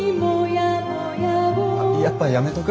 やっぱやめとく？